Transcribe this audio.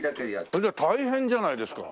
それじゃ大変じゃないですか。